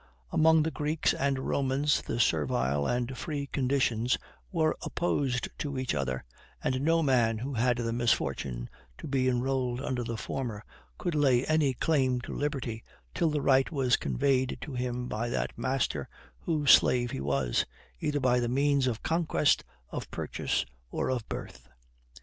Among the Greeks and Romans the servile and free conditions were opposed to each other; and no man who had the misfortune to be enrolled under the former could lay any claim to liberty till the right was conveyed to him by that master whose slave he was, either by the means of conquest, of purchase, or of birth.